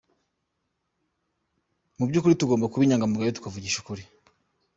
Mu by’ukuri tugomba kuba inyangamugayo, tukavugisha ukuri.